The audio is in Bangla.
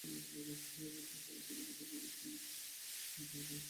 এরপর থেকেই পরবর্তী বছরগুলো সঙ্গীতের দিকেই ধাবিত হন তিনি।